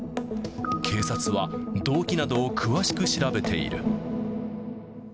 警察は、動機などを詳しく調べている。